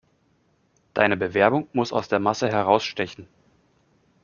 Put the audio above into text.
Deine Bewerbung muss aus der Masse herausstechen.